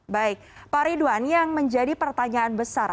baik pak ridwan yang menjadi pertanyaan besar